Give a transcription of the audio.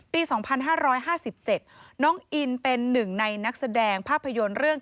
ปี๒๕๕๗น้องอินเป็นหนึ่งในนักแสดงภาพยนตร์เรื่อง